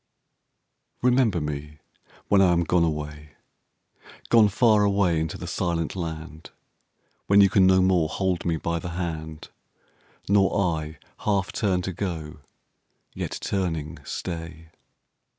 Remember me when I am gone away, Gone far away into the silent land; When you can no more hold me by the hand, Nor I half turn to go yet turning stay.